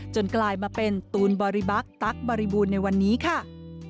กลายมาเป็นตูนบริบักษ์ตั๊กบริบูรณ์ในวันนี้ค่ะ